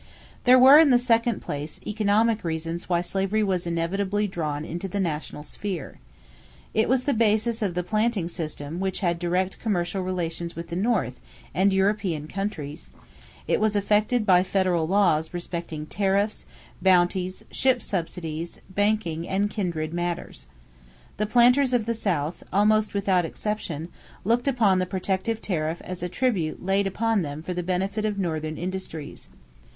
There were, in the second place, economic reasons why slavery was inevitably drawn into the national sphere. It was the basis of the planting system which had direct commercial relations with the North and European countries; it was affected by federal laws respecting tariffs, bounties, ship subsidies, banking, and kindred matters. The planters of the South, almost without exception, looked upon the protective tariff as a tribute laid upon them for the benefit of Northern industries.